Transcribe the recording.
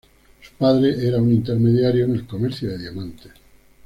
Su padre era un intermediario en el comercio de diamantes.